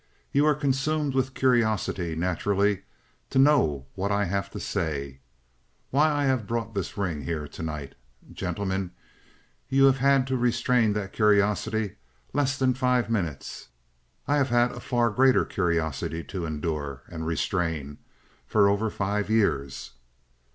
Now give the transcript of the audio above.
"You are consumed with curiosity, naturally, to know what I have to say why I have brought the ring here to night. Gentlemen, you have had to restrain that curiosity less than five minutes; I have had a far greater curiosity to endure and restrain for over five years.